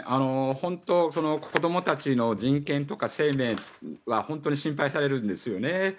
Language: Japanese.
本当、この子どもたちの人権とか生命が本当に心配されるんですよね。